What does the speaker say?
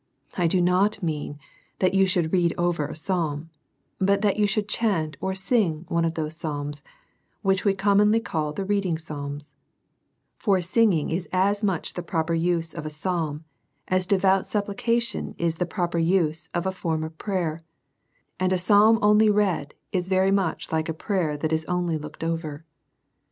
I do not mean that you should read over a psalm, but that you should chant or sing one of those psalms, which we commonly call the reading psalms ; for singing is as much the proper use of psalm, as devout supplication is the proper use of a form of prayer; and a psalm only read is very much like a prayer that is only looked over.